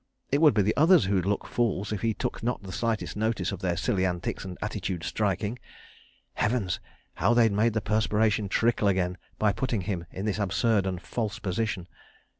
It would be the others who'd look the fools, if he took not the slightest notice of their silly antics and attitude striking. .. (Heavens! How they'd made the perspiration trickle again, by putting him in this absurd and false position.)